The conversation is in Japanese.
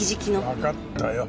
わかったよ。